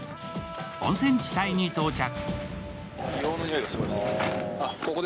温泉地帯に到着。